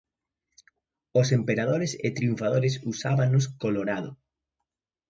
Os emperadores e triunfadores usábanos colorado.